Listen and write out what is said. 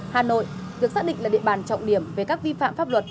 hà nội được xác định là địa bàn trọng điểm về các vi phạm pháp luật